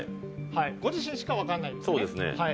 ご自身しか分かんないですよね。